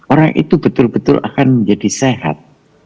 orang itu betul betul akan menjadi sehat